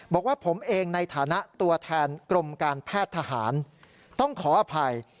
บอกว่าผมเองในฐานะตัวแทนกรมการแพทย์ทหารต้องขออภัย